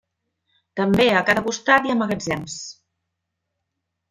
També a cada costat hi ha magatzems.